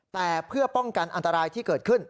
แต่เพื่อป้องกันอันตรายที่เกิดขึ้น